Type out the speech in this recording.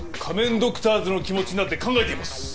ドクターズの気持ちになって考えています